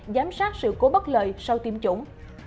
giám sát sự cố bất lợi sau tiêm chủng